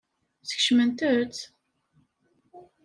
Skecment-t?